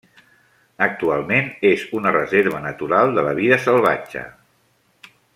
Actualment és una reserva natural de la vida salvatge.